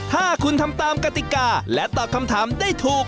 ถ้าคุณทำตามกติกาและตอบคำถามได้ถูก